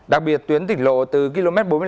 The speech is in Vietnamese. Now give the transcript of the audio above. đặc biệt tuyến tỉnh lộ từ km bốn mươi bảy